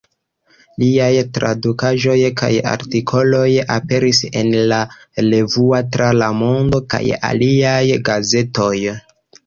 Liaj tradukaĵoj kaj artikoloj aperis en "La Revuo, Tra la Mondo" kaj aliaj gazetoj.